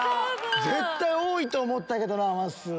絶対多いと思ったけどなまっすー。